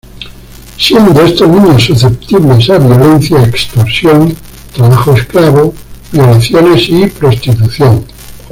Siendo estos niños susceptibles a violencia, extorsión, trabajo esclavo, violaciones y prostitución.